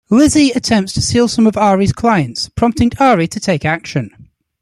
Lizzie attempts to steal some of Ari's clients, prompting Ari to take action.